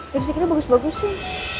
lipsticknya bagus bagus sih